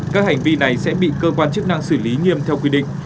các hành vi này sẽ bị cơ quan chức năng xử lý nghiêm theo quy định